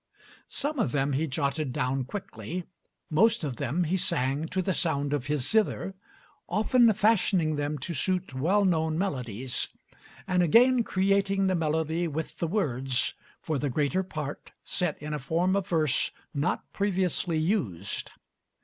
Some of them he jotted down quickly, most of them he sang to the sound of his zither, often fashioning them to suit well known melodies, and again creating the melody with the words, for the greater part set in a form of verse not previously used.